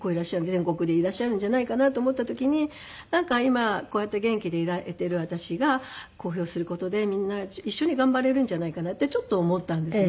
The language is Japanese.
全国でいらっしゃるんじゃないかなと思った時になんか今こうやって元気でいられている私が公表する事でみんな一緒に頑張れるんじゃないかなってちょっと思ったんですね。